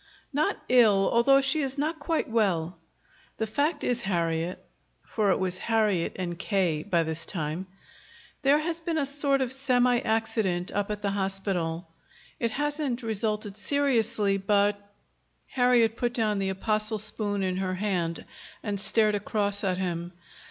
"Not ill, although she is not quite well. The fact is, Harriet," for it was "Harriet" and "K." by this time, "there has been a sort of semi accident up at the hospital. It hasn't resulted seriously, but " Harriet put down the apostle spoon in her hand and stared across at him.